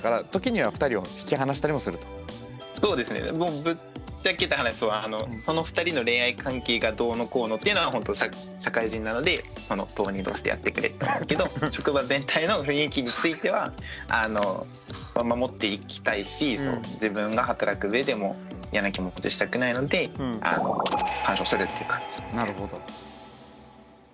ぶっちゃけた話その２人の恋愛関係がどうのこうのっていうのはほんと社会人なので当人同士でやってくれってなるけど職場全体の雰囲気については守っていきたいし自分が働くうえでも嫌な気持ちにしたくないので干渉するって感じです。